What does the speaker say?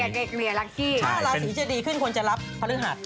นี่คือเกลียดเกลียดลักษี๕ราศีจะดีขึ้นคนจะรับพฤหัส